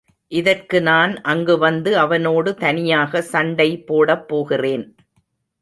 இதற்கு நான் அங்கு வந்து அவனோடு தனியாக சண்டை போடப்போகிறேன்.